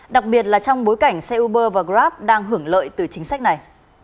đặc biệt là trong bối cảnh xe uber và grab đang hưởng lợi từ chính sách này